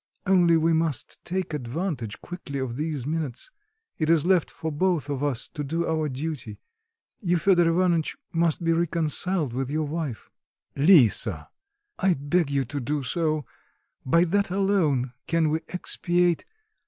Only we must take advantage quickly of these minutes. It is left for both of us to do our duty. You, Fedor Ivanitch, must be reconciled with your wife." "Lisa!" "I beg you to do so; by that alone can we expiate...